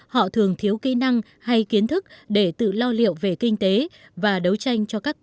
họ thường thiếu kỹ năng hay kiến thức để tự lo liệu về kinh tế và đấu tranh cho các